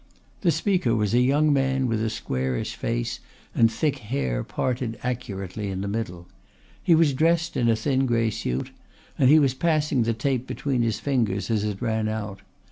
The speaker was a young man with a squarish face and thick hair parted accurately in the middle. He was dressed in a thin grey suit and he was passing the tape between his fingers as it ran out.